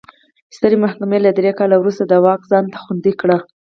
سترې محکمې له درې کال وروسته دا واک ځان ته خوندي کړ.